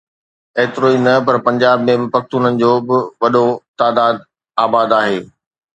ايترو ئي نه پر پنجاب ۾ پختونن جو به وڏو تعداد آباد آهي.